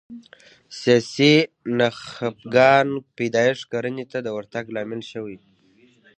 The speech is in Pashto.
سیاسي نخبګانو پیدایښت کرنې ته د ورتګ لامل شوي